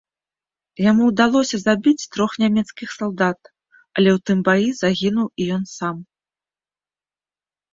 Яму ўдалося забіць трох нямецкіх салдат, але ў тым баі загінуў і ён сам.